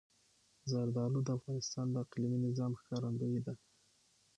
زردالو د افغانستان د اقلیمي نظام ښکارندوی ده.